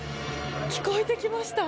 聞こえてきました。